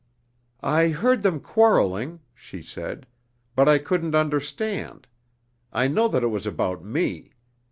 "I heard them quarreling," she said, "but I couldn't understand. I know that it was about me.